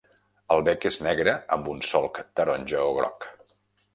El bec és negre amb un solc taronja o groc.